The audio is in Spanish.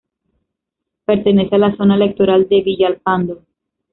Pertenece a la zona electoral de Villalpando.